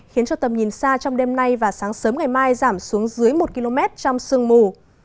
khiến cho tầm nhìn xa trong đêm nay và sáng sớm ngày mai giảm xuống dưới một km trong sương mù